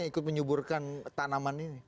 ikut menyuburkan tanaman ini